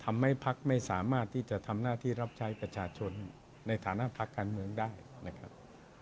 พักไม่สามารถที่จะทำหน้าที่รับใช้ประชาชนในฐานะพักการเมืองได้นะครับ